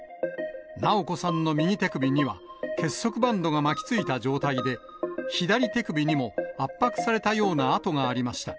直子さんの右手首には結束バンドが巻きついた状態で、左手首にも圧迫されたような痕がありました。